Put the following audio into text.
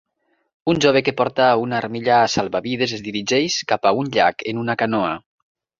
Un jove que porta una armilla salvavides es dirigeix cap a un llac en una canoa.